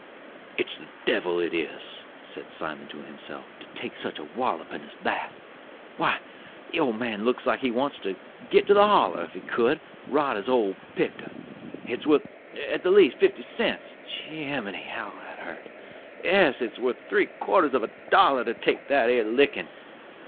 "It's the devil, it is," said Simon to himself, "to take such a wallopin' as that. Why, the old man looks like he wants to git to the holler, if he could, rot his old picter! It's wuth, at the least, fifty cents je e miny, how that hurt! yes, it's wuth three quarters of a dollar to take that 'ere lickin'!